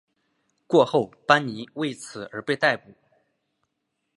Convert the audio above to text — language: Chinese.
过后班尼为此而被逮捕。